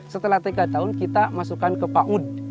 setelah tiga tahun kita masukkan ke paud